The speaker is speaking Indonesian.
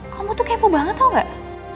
kamu tuh kepo banget tau gak